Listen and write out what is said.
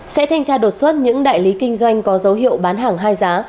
sẽ thanh tra đột xuất những đại lý kinh doanh có dấu hiệu bán hàng hai giá